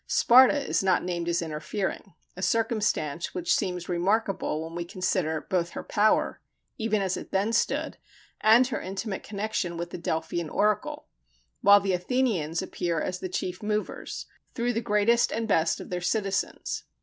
Sparta is not named as interfering a circumstance which seems remarkable when we consider both her power, even as it then stood, and her intimate connection with the Delphian oracle while the Athenians appear as the chief movers, through the greatest and best of their citizens.